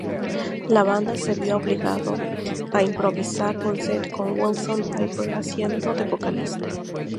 La banda se vio obligado a improvisar un set, con Willson-Piper haciendo de vocalista.